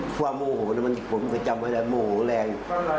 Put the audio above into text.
ความโมโหความโมโหผมก็จำไม่ได้โมโหแรง